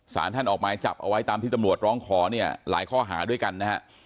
สารท่านออกหมายจับเอาไว้ตามที่ตำรวจร้องขอเนี่ยหลายข้อหาด้วยกันนะฮะ